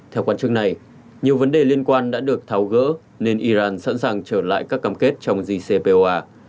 theo quan chức này nhiều vấn đề liên quan đã được tháo gỡ nên iran sẵn sàng trở lại các cam kết trong cpoa